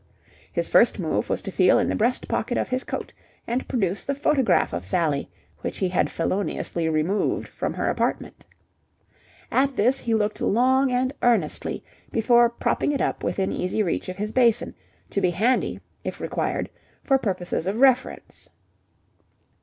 His first move was to feel in the breast pocket of his coat and produce the photograph of Sally which he had feloniously removed from her apartment. At this he looked long and earnestly before propping it up within easy reach against his basin, to be handy, if required, for purposes of reference.